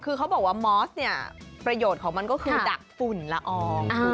คือเขาบอกว่ามอสเนี่ยประโยชน์ของมันก็คือดักฝุ่นละออง